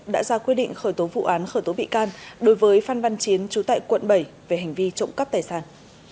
đã ra quyết định khởi tố vụ án khởi tố bị can đối với phan văn chiến trú tại quận bảy về hành vi trộm cắp tài sản